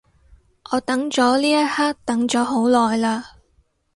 我等咗呢一刻等咗好耐嘞